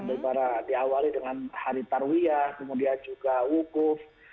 daripada diawali dengan hari tarwiyah kemudian juga wukuf